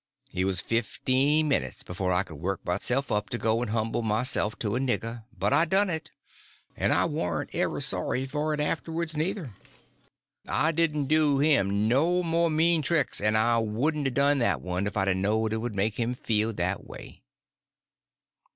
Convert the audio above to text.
It was fifteen minutes before I could work myself up to go and humble myself to a nigger; but I done it, and I warn't ever sorry for it afterwards, neither. I didn't do him no more mean tricks, and I wouldn't done that one if I'd a knowed it would make him feel that way.